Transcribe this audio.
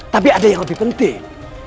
tapi ada yang lebih penting